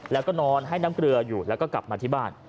แล้วก็นอนให้น้ำเกลืออยู่แล้วก็กลับมาที่บ้าน